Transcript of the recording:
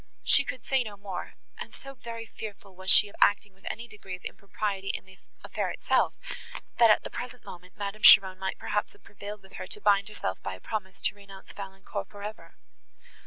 She could say no more; and so very fearful was she of acting with any degree of impropriety in the affair itself, that, at the present moment, Madame Cheron might perhaps have prevailed with her to bind herself by a promise to renounce Valancourt for ever.